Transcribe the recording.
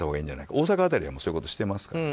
大阪辺りはそういうことしてますからね。